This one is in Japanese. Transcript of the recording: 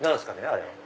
あれは。